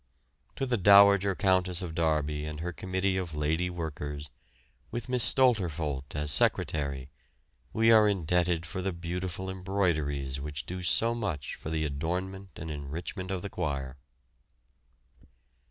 To the Dowager Countess of Derby and her committee of lady workers, with Miss Stolterfoht as secretary, we are indebted for the beautiful embroideries which do so much for the adornment and enrichment of the choir.